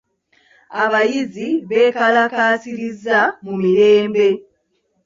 Abayizi beekalakaasirizza mu mirembe.